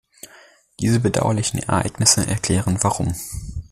Diese bedauerlichen Ereignisse erklären warum.